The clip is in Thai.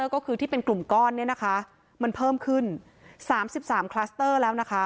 ก็คือที่เป็นกลุ่มก้อนเนี่ยนะคะมันเพิ่มขึ้น๓๓คลัสเตอร์แล้วนะคะ